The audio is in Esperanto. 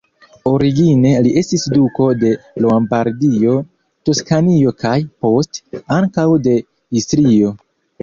Origine, li estis duko de Lombardio, Toskanio kaj, poste, ankaŭ de Istrio.